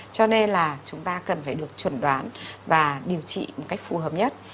cho nên là chúng ta cần phải được chuẩn đoán và điều trị một cách phù hợp nhất